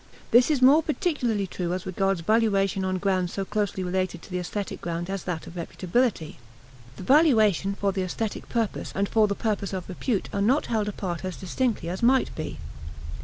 This is more particularly true as regards valuation on grounds so closely related to the aesthetic ground as that of reputability. The valuation for the aesthetic purpose and for the purpose of repute are not held apart as distinctly as might be.